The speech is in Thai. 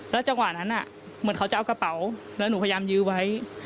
จังหวะนั้นเหมือนเขาจะเอากระเป๋าแล้วหนูพยายามยื้อไว้